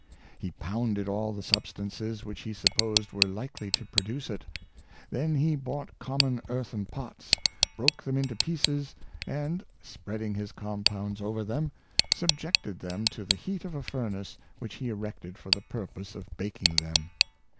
He pounded all the substances which he sup posed were likely to produce it. Then he bought com mon earthen pots, broke them into pieces, and, spread ing his compounds over them, subjected them to the heat of a furnace which he erected for the purpose of baking them.